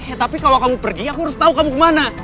eh tapi kalau kamu pergi aku harus tahu kamu kemana